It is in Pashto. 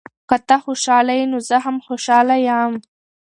که ته خوشحاله یې، نو زه هم خوشحاله یم.